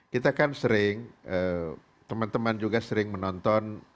kita kan sering teman teman juga sering menonton